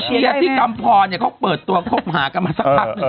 เชียร์ที่กำพรเขาเปิดตัวคบหากันมาสักพักหนึ่ง